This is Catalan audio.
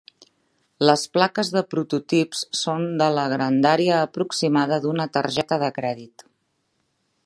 Les plaques de prototips són de la grandària aproximada d'una targeta de crèdit.